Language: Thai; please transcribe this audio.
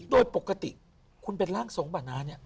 โดยปกติคุณเป็นร่างทรงบ่านาเนี่ย